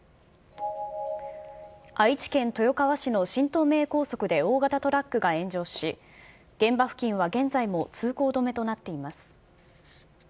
愛知県豊川市の新東名高速で大型トラックが炎上し、現場付近は現在も通行止めとなっています。